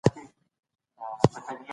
بهرنۍ تګلاره بدله شوه.